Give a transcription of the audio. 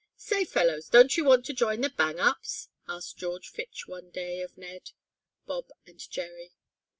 "Say, fellows, don't you want to join the Bang Ups?" asked George Fitch one day of Ned, Bob and Jerry.